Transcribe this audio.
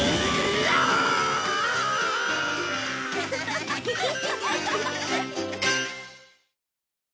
アハハハ！